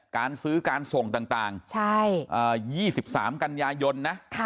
การซื้อการส่งต่างต่างใช่เอ่อยี่สิบสามกันยายนนะค่ะ